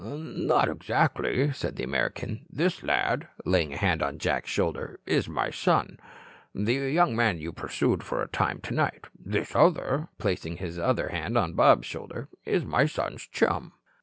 "Not exactly," said the American. "This lad" laying a hand on Jack's shoulder "is my son, the young man you pursued for a time tonight. This other" placing his other hand on Bob's shoulder "is my son's chum."